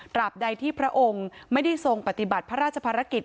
บใดที่พระองค์ไม่ได้ทรงปฏิบัติพระราชภารกิจ